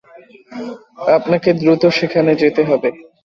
আপনাকে দ্রুত সেখানে যেতে হবে।